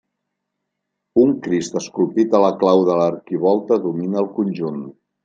Un Crist esculpit a la clau de l'arquivolta domina el conjunt.